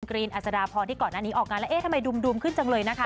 รีนอัศดาพรที่ก่อนหน้านี้ออกงานแล้วเอ๊ะทำไมดุมขึ้นจังเลยนะคะ